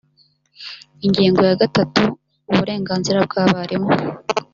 ingingo ya gatatu uburenganzira bw abarimu